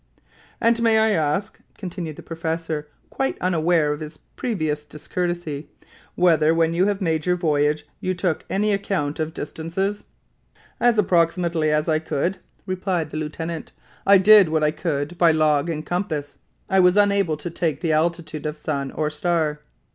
"And may I ask," continued the professor, quite unaware of his previous discourtesy, "whether, when you made your voyage, you took any account of distances?" "As approximately as I could," replied the lieutenant; "I did what I could by log and compass. I was unable to take the altitude of sun or star."